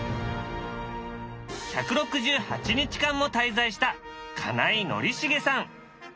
１６８日間も滞在した金井宣茂さん。